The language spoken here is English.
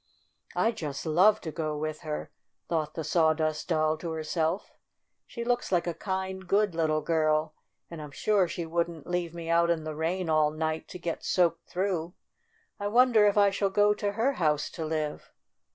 "I'd just love to go with her," thought the Sawdust Doll to herself. "She looks like a kind, good little girl, and I'm sure she wouldn't leave me out in the rain all night to get soaked through. I wonder if I shall go to her house to live?"